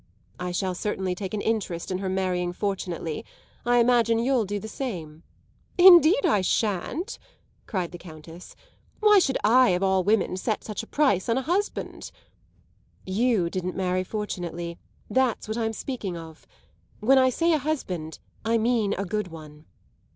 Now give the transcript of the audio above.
"I shall certainly take an interest in her marrying fortunately. I imagine you'll do the same." "Indeed I shan't!" cried the Countess. "Why should I, of all women, set such a price on a husband?" "You didn't marry fortunately; that's what I'm speaking of. When I say a husband I mean a good one."